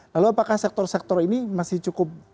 lalu apakah sektor sektor ini masih cukup